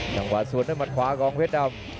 ถึงวาดศูนย์ด้วยหมดขวาของเพชรดำ